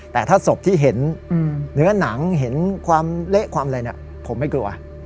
แต่ถ้าศพที่เห็นเนื้อหนังเห็นความเละความอะไรผมไม่กลัว